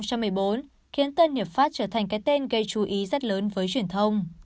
khiến tân hiệp pháp trở thành cái tên gây chú ý rất lớn với truyền thông